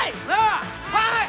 はい！